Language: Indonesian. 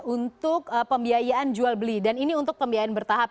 untuk pembiayaan jual beli dan ini untuk pembiayaan bertahap